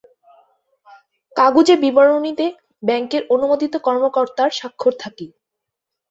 কাগুজে বিবরণীতে ব্যাংকের অনুমোদিত কর্মকর্তার স্বাক্ষর থাকে।